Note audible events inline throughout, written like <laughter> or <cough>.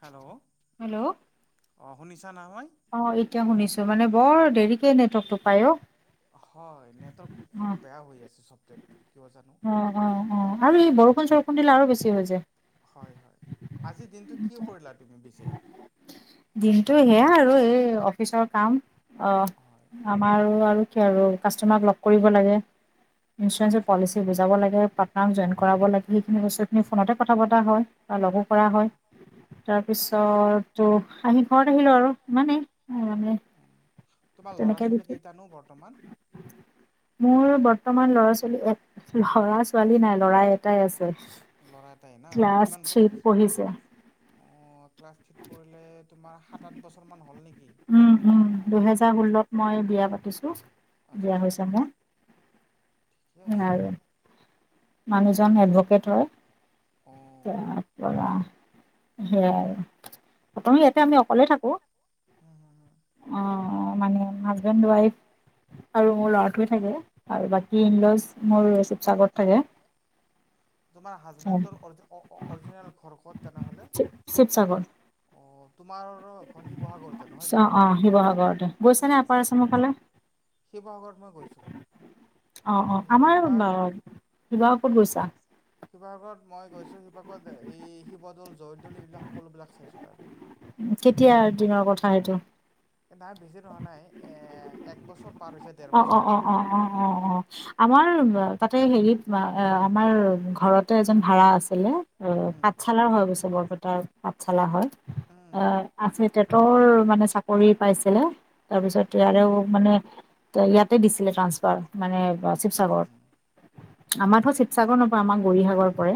Hello! Hello অ' শুনিছে? অ' এতিয়া শুনিছো মানে বৰ দেৰি কেনেটৱৰ্ক টো পায় অ', হয় নেটৱৰ্কটো খুব অ বেয়া হৈ আছে ছফটৱৰটোত কিবা জানো। খুন্দিলে আৰু বেছি হৈ যায়। হয়-হয়, আজিৰ দিনটো কি কৰিলা তুমি পিছে। দিনটো সেয়া আৰু এই অফিচৰ কাম হয় আমাৰ আৰু কি আৰু কাষ্টমাৰক লগ কৰিব লাগে ইঞ্চুৰেঞ্চৰ পলিচি বুজাব লাগে পাৰ্টনাৰক জইন কৰাব লাগে সেইখিনি বস্তুখিনি ফোনতে কথা পতা হয় বা লগো কৰা হয় অঁ তাৰপিছতো আহি ঘৰত আহিলোঁ আৰু মানে অ', উম তোমাৰ লৰা ছোৱালী কেইটানো বৰ্তমান মোৰ বৰ্তমান ল'ৰা ছোৱালী, ল'ৰা ছোৱালী নাই লৰা এটাই আছে। ল'ৰা এটাই না ক্লাছ কিমান থ্ৰিট পঢ়িছে। অঁ ক্লাছ থ্ৰীত পৰিলে তোমাৰ সাত আঠ বছৰ মান হ'ল নেকি উম-উম ল'ৰাটোৰ দুহেজাৰ ষোল্লত মই বিয়া পাতিছো আচ্ছা বিয়া আচ্ছা আচ্ছা হৈছে ঠিকে মোৰ আছে দিয়া আৰু মানুহজন এডভকেট হয় অঁ তাৰ পৰা সেয়াই আৰু প্ৰথমি ইয়াতে আমি অকলে থাকো অ', মানে হাজবেণ্ড ৱাইফ আৰু মোৰ ল'ৰাটোৱে থাকে আৰু বাকী ইনলজ মোৰ শিৱসাগ। ত তাকে তোমাৰ হাজবেডৰ অ-অৰিজিনেল ঘৰখন তেনেহলে শিৱসাগৰ তোমাৰ ঘৰ শিৱসাগৰতে নহয় জানো? অ' শিৱসাগৰতে গৈছ নে অ', আপাৰ চাম ফালে শিৱসাগৰত মই গৈছোঁ, অ-অ আমাৰ শিৱা শিৱসাগত গৈছা। শিৱসাগৰত মই গৈছো শিৱসাগৰত এই শিৱদৌল জয়দৌল এইবিলাক সকলোবিলাক চাইছো তাৰে কেতিয়া দিনৰ কথা সেইটো। নাই বেছি নহোৱা নাই এ একবছৰ পাৰ হৈছে ডেৰ অ', অ', বছৰ অ', মান অ', হ'ল। অ', অ', অ', আমাৰ তাতে হেৰিত আমাৰ ঘৰতে এজন ভাড়া আছিলে উম, পাঠশালাৰ হৈ অবৈছে এটা পাঠ চালা হয়। এ উম, আছে তেটৰ মানে চাকৰিত পাইছেলে। তাৰপিছত ইয়াৰে অ'। মানে ত ইয়াতে দিছিলে ট্ৰান্সফাৰ মানে বা উম, শিৱসাগৰ। উম, আমাৰতো শিৱসাগৰ নপৰে আমাৰ গৌৰীসাগৰ পৰে।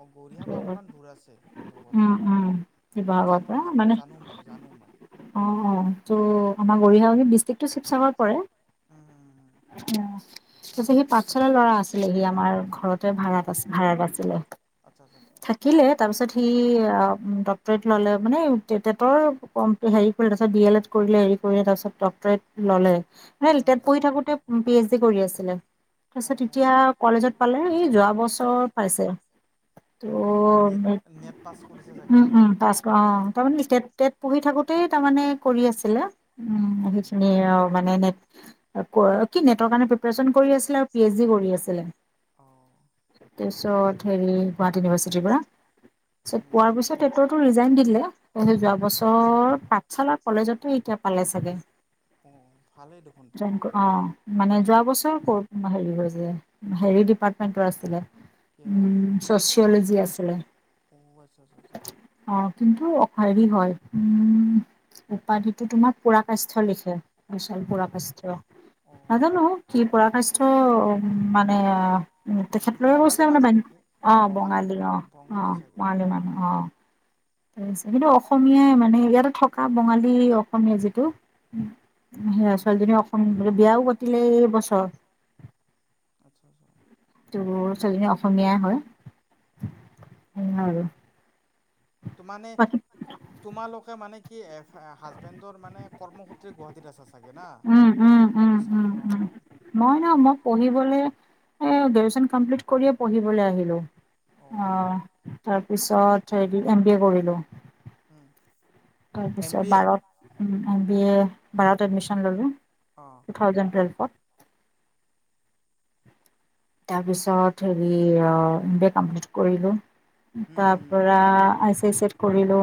অ' গৌৰীসাগৰ অকমান দূৰ আছে। শিৱসাগৰৰ উম, পৰা উম শিৱসাগৰৰ জানো, পৰা মই মানে জানো, মই জানো মই অ অ ত' আমাৰ গৌৰীসাগটো ডিষ্ট্ৰিক্টো শিৱসাগৰ পৰে। উম। উম, উম। তচলি সি পা চনৰ ল'ৰা আছিলে সি আমাৰ ঘৰতে অ ভাড়াত আছ ভাড়াত আছিলে। আচ্ছা আচ্ছা আচ্ছা থাকিলে তাৰপিছত সি ড ট্ৰেড ল'লে মানে টেটৰ হেৰি কৰি তাৰ পিছত ডি এল এড কৰিলে, হেৰি কৰিলে তাৰপিছত ডক্তৰেট ল'লে। ভাল উম টেট পঢ়ি থাকোতে পি এইচ ডি কৰি আছিলে, তাৰ অ পিছত এতিয়া কলেজত পালে, এই যোৱা বছৰ পাইছে। ত' অ নেট নেট পাছ কৰিছে চাগে উম না সি উম পাছ অ' তাৰমানে ষ্টেট টেট পঢ়ি থাকো তেই তাৰমানে কৰি আছিলে। হম উম হম সিখিনি হম অ' মানে নে আকৌ কি নেটৰ কাৰনে প্ৰিপেয়াৰেশ্যন কৰি আছিলে আৰু পি এইচি কৰি আছিলে। অ তাৰপিছত হেৰি গুৱাহাটী ইউনিভাৰ্চিটিৰ পৰা। তাৰপিছত উম হম পোৱাৰ হম পিছত টেটৰটো ৰিজাইন দি দিলে। ত' যোৱা বছৰ পাঠশালাত কলেজতে এতিয়া পালে চাগে। অ ভালেই দেখোন তাৰ জইন কৰি অ' মানে যোৱা বছৰ ক'ত হেৰি হৈ যায়। হেৰি ডিপাৰ্টমেন্টৰ আছিলে কিহৰ উম ছচিয়লজি আছিলে, অ আচ্ছা আচ্ছা আচ্ছা আচ্ছা অ' কিন্তু ভাৰি হয়। উম উপাধিটো তোমাক পুৰাকাষ্ঠ লিখে, বিশাল অ পুৰাকষ্ঠ অ নাজানো কি পুৰকায়ষ্ঠ লিখে পুৰকায়ষ্ঠ নাজানো কি পুৰকায়ষ্ঠ মানে তেখেতলৈ বঙালী গৈছিলে, মানুহ মানে, নেকি আহ বঙালী অ বঙালী আহ চাগে বঙালী মানুহ আহ। ত আছে কিন্তু অসমীয়াই মানে ইয়াতে থকা বঙালী অসমীয়া যিটো। সেইয়া ছোৱালীজনী আচ্ছা অসম বিয়াও ক- তিলেই বছৰ। আচ্ছা আচ্ছা। তোৰ ছোৱালীজনী অসমীয়াই হয়। এ আৰু ত মানে, বাকী তোমালোকে মানে কি এ হাজবেণ্ডৰ মানে কৰ্মসূত্ৰে গুৱাহাটীত আছা? চাগে না উম তোমাৰ উম উম উম উম অঁ মই ন মই পঢ়িবলে এ গ্ৰেজুৱেচন কমপ্লিট কৰিয়ে পঢ়িবলৈ আহিলো। অঁ অ' তাৰপিছত হেৰি, এম বি এ কৰিলো। অ'। তাৰপিছত বাৰত উ বি এ ভাৰত এডমিশ্যন ল'লোঁ। অঁ টু থাউজেন্ড টুৱেলভত। তাৰপিছত হেৰি অ', এম বি এ কমপ্লিট কৰিলো। তাৰ পৰা আই কৰিলো,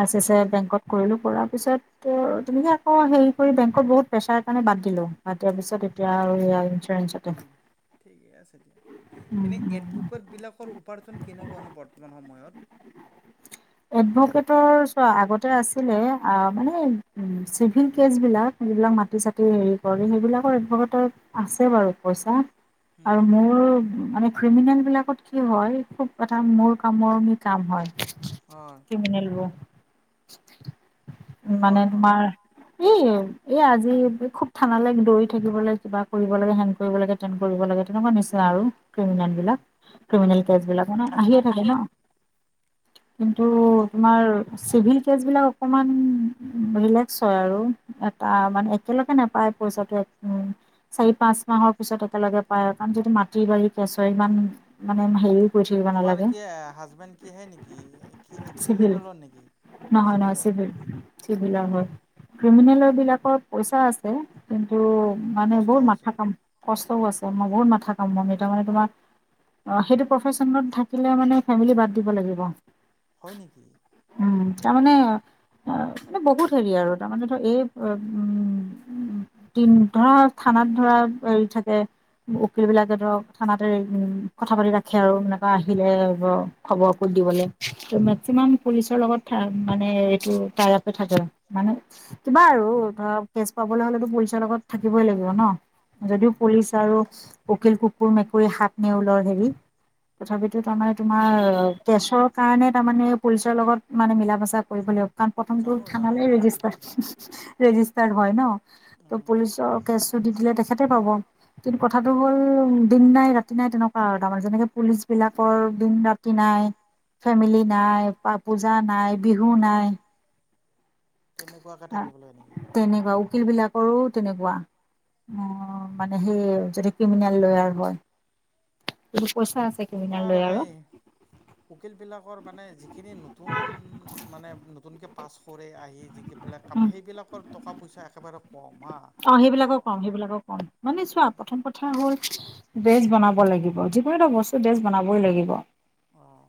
আই চি চি আই বেংকত কৰিলো, কৰাৰ পিছত তেনেকে আকৌ হে কৰি বেংত বহুত প্ৰেছাৰ কাৰণে বাদ দিলো বাদ দিয়াৰ পিছত এতিয়া আৰু ফ্ৰেন্ঞ্চতে ঠিক আছে দিয়া, এনে এডভোকেত বিলাকৰ উপাৰ্জন কেনেকুৱানো বৰ্তমান সময়ত? ময়ত এডভকেটৰ চোৱা, আগতে আছিলে আ মানে চিভিল কেচবিলাক যিবিলাক মাটি চাটি হেৰি কৰে সেইবিলাকৰ এডভকেটৰ আছে বাৰু পইচা। হুম আৰু মোৰ মানে ক্ৰিমিনেলবিলাকত কি হয় খুব এটা মোৰ কামুৰনি কাম হয়। হয় ক্ৰিমিনেলবো <inaudible> উ মানে হয় হয় তোমাৰ ই এই আজি খুব থানালে দৌৰি থাকিবলে কিবা কৰিব লাগে হেং কৰিব লাগে টেন কৰিব লাগে তেনেকুৱা নিচিনা আৰু। হুম হুম ক্ৰিমিনেলবিলাক ক্ৰিমিনেল হুম কেচবিলাক মানে আহিয়ে থাকে ন। কিন্তু তো তোমাৰ চিভিল কেচবিলাক অকমান ৰিলেক্স হয় আৰু এটা মানে একেলগে নেপায়। পইচাটো এক চাৰি পাঁচ মাহৰ পিছত একেলগে পায়, কাৰণ যিটো মাটি বাৰী কেছ হয় ইমান মানে হেৰি তোমাৰ কি হাজবেণ্ড কে সেই নেকি? কি চিভিল, ক্ৰিমিনেলৰ নেকি? নহয় নহয় চিভিলৰ চিভিল। চিভিলৰ হয় অঁ ক্ৰিমিনেল বিলাকৰ পইচা আছে কিন্তু- মানে বহুত কষ্টও মাথা আছে। কাম কষ্টও আছে। মই বহুত মাথা কাম মনাৰ মানে তোমাৰ সেইটো প্ৰফেচনত থাকিলে মানে ফেমিলি বাদ দিব লাগিব। উম <inaudible> তাৰমানে মানে বহুত হেৰি আৰু তাৰমানে ধৰ এই উম তি ধৰা থানাত ধৰা হেৰি থাকে উকিল বিলাকে ধৰক থানাতে উ কথা পাতি ৰাখে আৰু এনেকুৱা আহিলে খবৰ কো দিবলৈ। ত মেক্সিমাম পুলিচৰ লগত মানে এইটো টাইআপে থাকে মানে। কিবা আৰু, ধৰ কেচ পাবলৈ হলেতো পুলিচৰ লগত থাকিবই লাগিব ন যদিও উম। পুলিচ আৰু উকিল কুকুৰ মেকুৰী সাপ নেউলৰ হেৰি তথাপিতো আমাৰ তোমাৰ হয় দিয়া। কেছত কাৰণে তাৰ মানে পুলিচৰ লগত মানে মিলা মেচা কৰিব লাগে হক, কাৰণ প্ৰথমটো জানো জানো থানালৈ মই সেইটো ৰেজিষ্টাৰ জানো ৰেজিষ্টাৰ্ড হয় ন ত' উম। পুলিচৰ কেচো দি দিলে তেখেতে পাব। কিন্তু কথাটো হ'ল দিন নাই ৰাতি নাই তেনেকুৱা আৰু তাৰমানে যেনেকে পুলিচ বিলাকৰ দিন ৰাতি নাই। ফেমিলি নাই বা পূজা নাই বিহু নাই। তেনেকুৱাকে থাকিব লাগ নেকি তেনেকুৱা উকিল বিলাকৰো তেনেকুৱা মানে সেই যদি ক্ৰিমিনেল লয়াৰ হয়। পইচা আছে ক্ৰিমিনেল তোমাৰ সেই লয়াৰৰ উকিল বিলাকৰ মানে যিখিনি নতুন মানে নতুনকে পাছ কৰে আহি যিবিলাক কাম সেইবিলাকৰ টকা পইচা এবাৰ অ সেইবিলাকৰ কম সেইবিলাকৰ কম, মানে চোৱা সেইবিলাক। প্ৰথম কথা হ'ল ড্ৰেচ বনাব লাগিব যিকোনো এটা বস্তু ড্ৰেচ বনাবই লাগিব। অহ।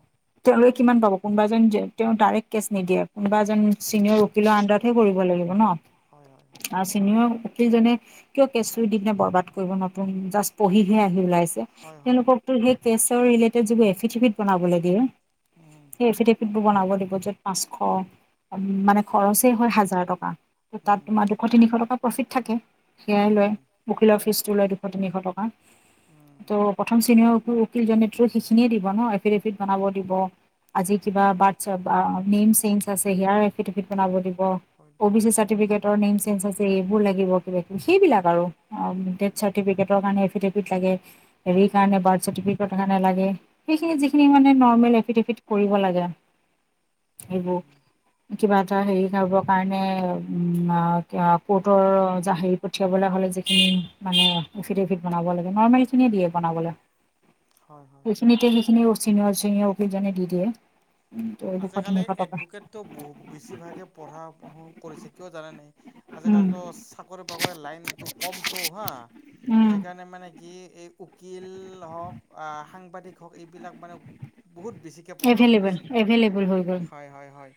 আৰু এই কিমান পাব কোনোবা এজন তেওঁ ডাইৰেক্ট কেছ নিদিয়ে, কোনোবা এজন চিনিয়ৰ উকিলৰ আডাৰতহে কৰিব লাগিব ন। হয় হয় আৰু চিনিয়ৰ প্ৰতিজনে কিয় কেঁচু দি পিনে বৰবাদ কৰিব নতুন জাষ্ট পঢ়িহে আহি ওলাই ছে হয় হয় হয় তেওঁলোককো সেই ফেচাৰ ৰিলেটিদ যদি এফিচ এফিদ বনাবলে দিয়ে উম এ এফিদ এফিদ টো বনাব দিব য'ত পাঁচশ মানে খৰচেই হয় হাজাৰ টকা ত তাত তোমাৰ উম দুশ তিনিশ টকাত থাকে সেয়াই লয় উম উকিলৰ ফিচ জুলাই দুশ তিনিশ টকা উম ত' প্ৰথম শ্ৰেণীঅৰ ওপ কিজামেট্ৰি সেইখিনিয়ে দিব ন এফিডেভিট বনাব দিব আজি কিবা বাৰ্ট চা বাঅ নেম চে্জ আছে হেয়াৰ এফিডেফিট বনাব দিব হয় অ দিয়া বি চি চাৰ্টিফিকেটৰ নেম চেঞ্জ আছে এইবোৰ লাগিব কিবা কিবি সেইবিলাক আৰু আৰু ডেট উম। চাৰ্টিফিকেটৰ কাৰণে এফিডেফিট লাগে হেৰি কাৰণে বাৰ্থ চাৰ্টিফিকেট কাৰণে লাগে সেইখিনি যিখিনি মানে নৰ্মেল এফিডেভিট কৰিব লাগে সেইবোৰ উম কিবা ত হেৰি কৰিবৰ কাৰণে উম অ কোৰ্টৰ জাহিৰ পঠিয়াবলৈ হলে যিখিনি মানে এফিডেফিট বনাব লাগে নৰ্মেল খিনিয়ে দিয়ে বনাবলে হয় হয়। এইখিনিতে সেইখিনিও চিনিয়ছ ইয় অফি জানে দি দিয়ে দুশ আজিকালি তিনিশ টকা এডভোকেতটো বু বেছিভাগে পঢ়া পঢ়ো কৰিছে কিয় জানে নাই আজিকালিতো চাকৰি পাবলৈ লাইনটো কমটো হা সেইকাৰণে মানে কি এই উকিল হওক আ সাংবাদিক হওক এইবিলাক মানে বহুত বেছিকে পঢ়া এভেইলেবল পঢ়িছে এভেইলেবল হৈ গ'ল হয় হয় হয়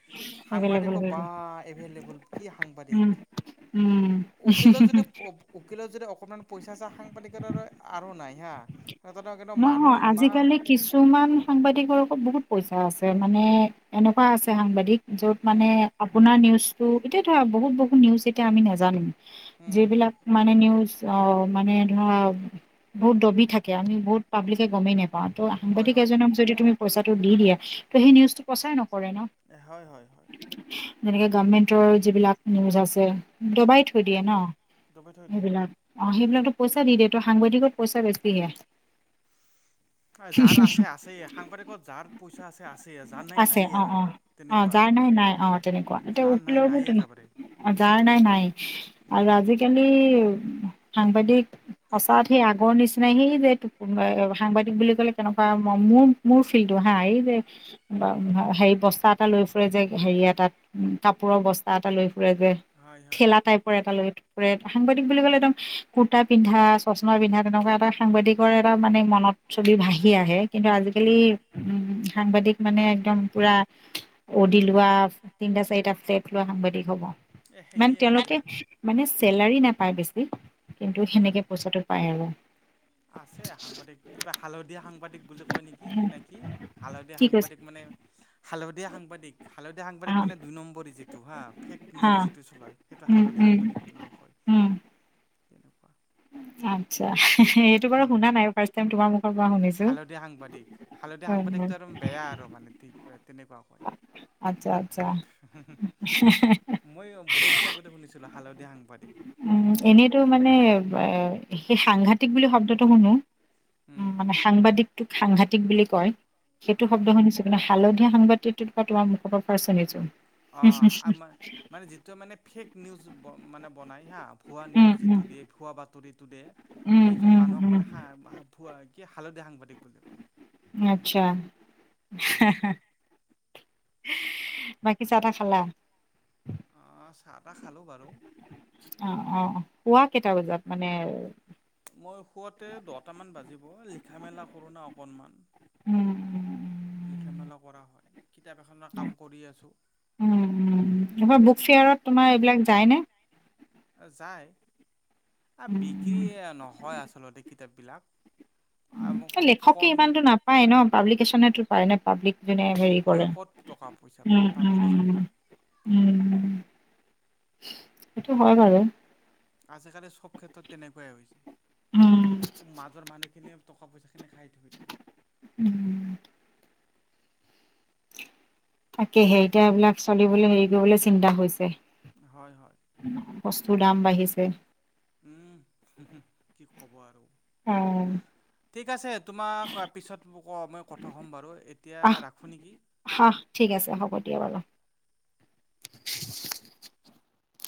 এভেইলেবল সাংবাদিকো হৈ গ'ল বা এভেলেবোল কি সাংবাদিক উম উম উকিলো যদি উপ উকিলো যদি অস অকণমান পইচা চা সাংবাদিকত আক আৰু নাই হা তাতে কিন্তু মানুহ নহয় ইমান আজিকালি কিছুমান সাংবাদিকৰ আক বহুত পইচা আছে মানে এনেকুৱা আছে সাংবাদিক য'ত মানে উম আপোনাৰ নিউজ ত' এতিয়া ধৰা বহুত বহুত নিউজ এতিয়া আমি নাজানিম উম যিবিলাক মানে নিউজ অ মানে ধৰা বহুত দবি থাকে আমি বহুত পাব্লিছে গমে নে পা ত হয় সাংবাদিক হয় এজনক যদি তুমি পইচা টো দি দিয়া টো সেই নিজটো প্ৰচাৰ ন কৰে ন হয় হয় হয় তেনেকে গভমেন্টৰ যিবিলাক নিউজ আছে। দবাই থৈ দিয়ে ন দবাই থৈ দিয়ে এইবিলাক। অ' সেইবিলাকতো পইচা দি দিয়ে টো সাংবাদিকত পইচা বেছিহে যাৰ আছে আছেই সাংবাদিকত যাৰ পইচা আছে আছেই যাৰ নাই আছে নাই অ' আৰু অ' ও তেনেকুৱা যাৰ নাই নাই, অ' তেনেকুৱা এতিয়া যাৰ নাই উকিলৰ নাই একেবাৰে অ' যাৰ নাই নাই উম আৰু আজিকালি সাংবাদিক সঁচাত সেই আগৰ নিচ <inaudible> কোনোবাই সাংবাদিক বুলি কলে কেনেকুৱা মোৰ মোৰ ফিল্টো, হা এই যে হেৰি বস্তা এটা লৈ ফুৰে যে হেৰি এটাত কাপোৰৰ বস্তা এটা লৈ। ফুৰে যে হয় হয় ঠেলা টাইপৰ এটা লৈ ফুৰে। সাংবাদিক বুলি ক'লে একদম কুৰ্তা পিন্ধা, চশমা পিন্ধা, তেনেকুৱা এটা সাংবাদিক। <unintelligible> এটা মানে মনত ছবি ভাহি আহে। কিন্তু আজিকালি উম উম সাংবাদিক মানে একদম পুৰা, অদি লোৱা, তিনিটা চাৰিটা ফ্লেট লোৱা সাংবাদিক হ'ব। এ মানে সেয়ে তেওঁলোকে হৈছে মানে চেলাৰী নাপায় বেছি। কিন্তু উম সেনেকে পইচাটো পাই আৰু। আছে সাংবাদিক কিবা হালধীয়া সাংবাদিক বুলি কয় নেকি, নেকি হালধীয়া কি কৈছে সাংবাদিক মানে হা'লধীয়াা সাংবাদিক। হা'লধীয়া সাংবাদিক হা মানে দুই নম্বৰ যিটো হা ফেক হা নিউজ যিটো চলাই সেইটো উম হা'লধীয়া উম সাংবাদিক বুলিও কয়। উম তেনেকুৱা আচ্ছা। এইটো বাৰু শুনা নাই ফাৰ্ষ্ট টাইম তোমাৰ মুখৰ পৰা শুনিছো হা'লধীয়া সাংবাদিক হা'লধীয়া হয় হয় সাংবাদিকটো এক বেয়া আৰু মানে ঠিক তেনেকুৱা কয়। আচ্ছা আচ্ছা মই বহুত দিন আগতে শুনিছিলো হা'লধীয়া ধীয়া সাংবাদিক। উম, এনেইতো মানে এ সেই সাংঘতিক বুলি শব্দটো শুনো। উম, মানে সাংবাদিক তোক সাংঘাতিক বুলি কয়। সেইটো অ শব্দ শুনিছো না হা'লধীয়া সাংবাদিকটো তোমাৰ মুখৰ পৰা ৰ্ফাষ্ট শুনিছো। অ', আ মানে যিটো মানে ফেক নিউজ মানে বনাই হা ভুৱা উম নিউজ উম যিটো দিয়ে ভুৱা বাতৰিটো দিয়ে উম সেইজন উম মানুহক উম মানে হা ভুৱা কি হা'লধীয়া সাংবাদিক। বুলি কয় আচ্ছা। তেনেকুৱা বাকী চাহ তাহ খালা? অঁ চাহ তাহ খালোঁ বাৰু অ অ পুৱা কেইটা বজাত মানে মই খুৱতে দহট মান বাজিব লিখা মেলা কৰো না অকনমান উম লিখা মেলা কৰা হয় কিতাপ এখনৰ কাম কৰি আছোঁ উম উম উম বুক ফেয়াৰত তোমাৰ এইবিলাক যায়নে আহ যাই আ বিক্ৰী উম নহয় আচলতে বিলাক লেখকে ইমানতো নাপায় ন পাব্লিকেশ্বনেো পনে পাব্লিক নে হেৰি লিখকে কৰে ক'ত টকা পইচা পায় উম উম পাব্লিকেশ্যনে পায় উ এইটো হয় বাৰেু আজিকালি চব ক্ষেত্ৰত তেনেকুৱাই উম হৈছে মাজৰ মানুহখিনিয়ে <inaudible> <inaudible> উম তাকেহে এতিয়া এইবিলাক চলিবলৈ হেৰি কৰিবলে চিন্তা হৈছে। হয় হয় বছ- <unintelligible> দাম বাঢ়িছে। <inaudible> অ ঠিক আছে। তোমাক পিছত ম'ক মই কথা ক'ম বাৰু এতিয়া আহ ৰাখো নেকি? আহ ঠিক আছে হ'ব দিয়া বাৰু